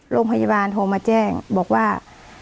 โรงพยาบาลโทรมาแจ้งบอกว่า